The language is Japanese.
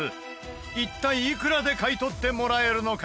一体、いくらで買い取ってもらえるのか？